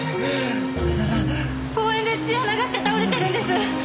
公園で血を流して倒れてるんです。